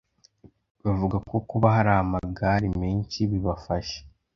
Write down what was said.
bavuga ko kuba hari amagare menshi bibafasha